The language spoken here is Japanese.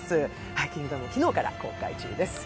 「キングダム」は昨日から公開中です。